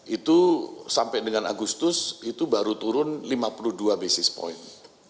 itu sampai dengan agustus itu baru turun lima puluh dua basis point